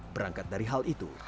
berangkat dari hal itu